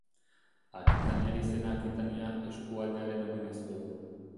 Akitaniar izena Akitania eskualdearen omenez du.